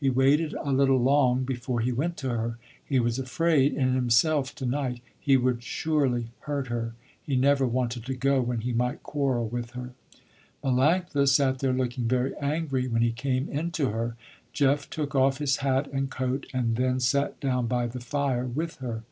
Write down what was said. He waited a little long, before he went to her. He was afraid, in himself, to night, he would surely hurt her. He never wanted to go when he might quarrel with her. Melanctha sat there looking very angry, when he came in to her. Jeff took off his hat and coat and then sat down by the fire with her.